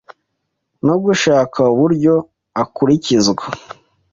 no gushaka uburyo akurikizwa